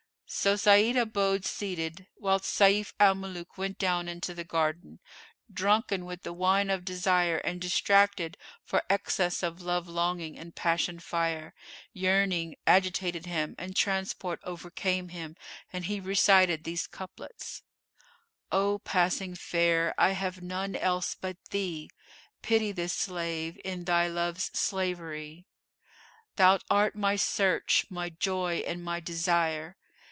So Sa'id abode seated, whilst Sayf al Muluk went down into the garden, drunken with the wine of desire and distracted for excess of love longing and passion fire: yearning agitated him and transport overcame him and he recited these couplets, "O passing Fair[FN#449] I have none else but thee; * Pity this slave in thy love's slavery! Thou art my search, my joy and my desire!